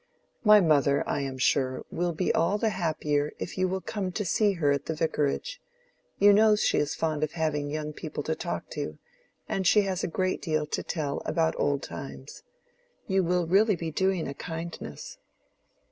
My mother, I am sure, will be all the happier if you will come to see her at the vicarage: you know she is fond of having young people to talk to, and she has a great deal to tell about old times. You will really be doing a kindness."